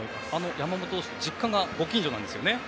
山本投手と実家がご近所なんですよね。